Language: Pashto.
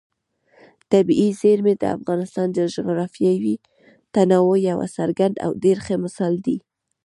طبیعي زیرمې د افغانستان د جغرافیوي تنوع یو څرګند او ډېر ښه مثال دی.